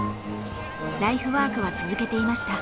ライフワークは続けていました。